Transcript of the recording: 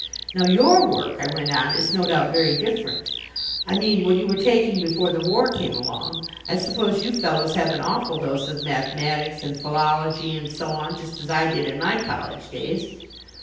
"Now, your work," I went on, "is no doubt very different. I mean what you were taking before the war came along. I suppose you fellows have an awful dose of mathematics and philology and so on just as I did in my college days?"